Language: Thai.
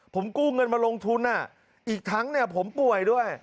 ผมกู้เงินมาลงทุนอีกทั้งผมป่วยด้วย